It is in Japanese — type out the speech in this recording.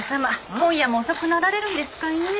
今夜も遅くなられるんですかいねえ？